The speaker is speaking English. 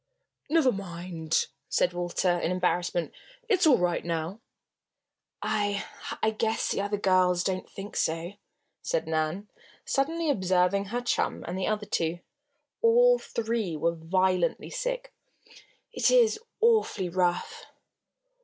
"Never mind," said Walter, in embarrassment. "It's all right now." "I I guess the other girls don't think so," said Nan, suddenly observing her chum and the other two. All three were violently sick. "It is awfully rough."